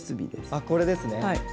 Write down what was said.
あこれですね。